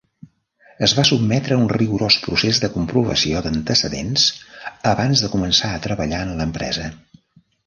Es va sotmetre a un rigorós procés de comprovació d'antecedents abans de començar a treballar en l'empresa.